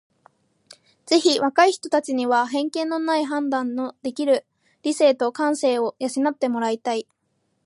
ぜひ若い人たちには偏見のない判断のできる理性と感性を養って貰いたい。